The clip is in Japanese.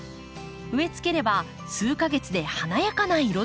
植えつければ数か月で華やかな彩りに。